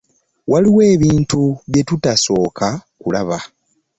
Waliwo ebintu bye tutaasooka kulaba.